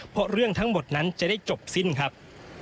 เพราะเรื่องทั้งหมดนั้นจะได้จบสิ้นครับ